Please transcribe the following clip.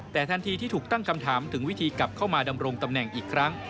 แต่ทันทีที่ถูกตั้งคำถามถึงวิธีกลับเข้ามาดำรงตำแหน่งอีกครั้ง